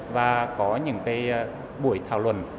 và có những buổi thảo luận